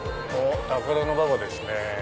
高田馬場ですね。